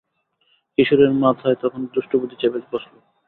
কিশোরের মাথায় তখন দুষ্টু বুদ্ধি চেপে বসলো।